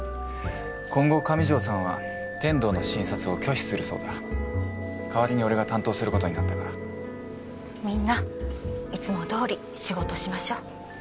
今後上条さんは天堂の診察を拒否するそうだ代わりに俺が担当することになったからみんないつもどおり仕事しましょう